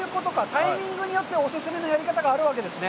タイミングによって、お勧めのやり方があるわけですね？